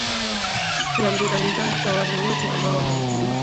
rambirambi zangu kwa wale wote ambao wameathiriwa